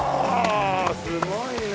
すごいね。